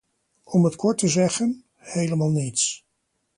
Om het kort te zeggen: helemaal niets.